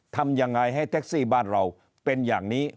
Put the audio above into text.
ทำยังไงให้แท็กซี่บ้านเราเป็นอย่างนี้